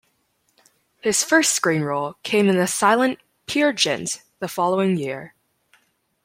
His first screen role came in the silent "Peer Gynt" the following year.